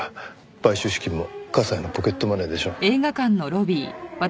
買収資金も加西のポケットマネーでしょ？